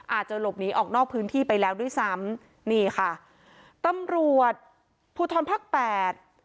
อาจจะหลบหนีออกนอกพื้นที่ไปแล้วด้วยซ้ำนี่ค่ะตำรวจภูทรภาคแปด